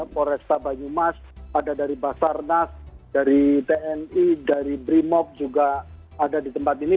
polresta banyumas ada dari basarnas dari tni dari brimob juga ada di tempat ini